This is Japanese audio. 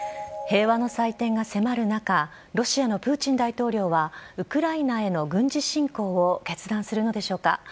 平和の祭典が迫る中、ロシアのプーチン大統領はウクライナへの軍事侵攻を決断するのでしょうか。